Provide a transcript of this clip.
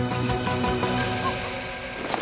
あっ。